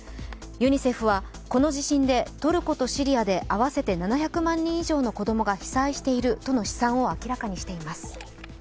ユニセフは、この地震でトルコとシリアで合わせて７００万人以上の子供が被災しているとの試算を明らかにしています。